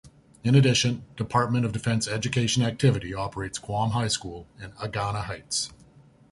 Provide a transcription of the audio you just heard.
In addition, Department of Defense Education Activity operates Guam High School in Agana Heights.